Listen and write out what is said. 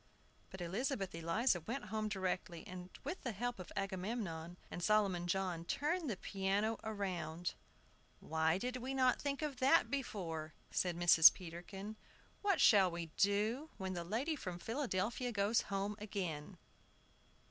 But Elizabeth Eliza went home directly, and, with the help of Agamemnon and Solomon John, turned the piano round. "Why did we not think of that before?" said Mrs. Peterkin. "What shall we do when the lady from Philadelphia goes home again?"